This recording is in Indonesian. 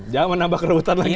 jangan menambah keruutan lagi